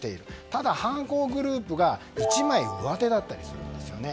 ただ犯行グループが一枚上手だったりするんですね。